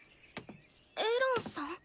エランさん？